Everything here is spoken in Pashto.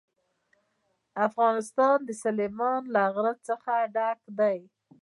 افغانستان له سلیمان غر څخه ډک دی.